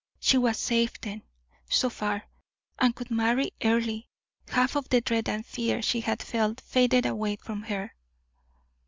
She was safe then, so far, and could marry Earle. Half of the dread and fear she had felt faded away from her.